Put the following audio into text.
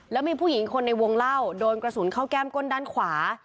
แล้วมีผู้หญิงคนในวงเล่าโดนกระสุนเข้าแก้มก้นด้านขวา